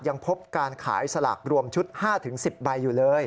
ยังพบการขายสลากรวมชุด๕๑๐ใบอยู่เลย